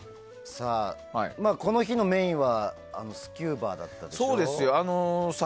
この日のメインはスキューバだったんですよ。